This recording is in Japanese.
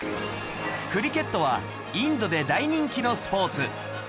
クリケットはインドで大人気のスポーツ